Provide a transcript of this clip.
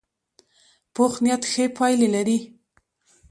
پوخ نیت ښې پایلې لري